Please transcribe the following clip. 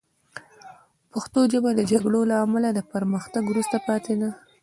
پښتو ژبه د جګړو له امله له پرمختګ وروسته پاتې ده